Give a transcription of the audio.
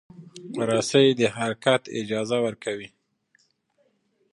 رسۍ د حرکت اجازه ورکوي.